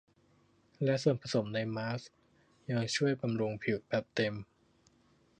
และส่วนผสมในมาสก์ยังช่วยบำรุงผิวแบบเต็ม